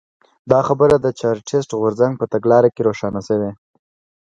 دا خبره د چارټېست غورځنګ په تګلاره کې روښانه شوې.